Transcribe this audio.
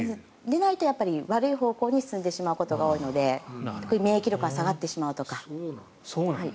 出ないと悪い方向に進んでしまうことが多いので免疫力が下がってしまうとか。